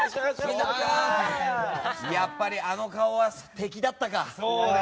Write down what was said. やっぱりあの顔は敵だったか。